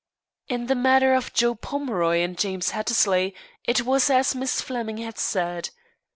In the matter of Joe Pomeroy and James Hattersley, it was as Miss Flemming had said.